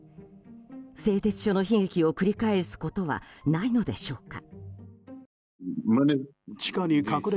製鉄所の悲劇を繰り返すことはないのでしょうか。